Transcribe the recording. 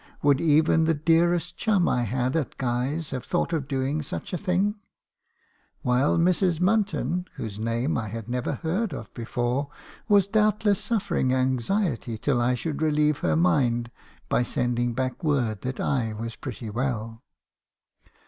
"Would even the dearest chuml had at Guy's have thought of doing such a thing? while Mrs. Munton , whose name I had never heard of before, was doubtless suffering anxiety till I could relieve her mind by sending back word that I was pretty well.